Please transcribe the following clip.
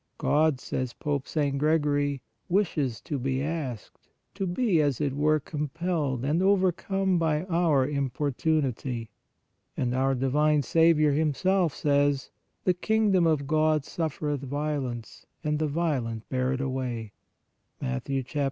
" God," says Pope St. Gregory, " wishes to be asked, to be, as it were compelled and overcome by our importunity." And our divine Saviour Himself says: "The kingdom of God suffereth violence, and the violent bear it away" (Mat.